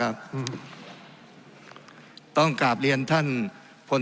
ทั้งสองกรณีผลเอกประยุทธ์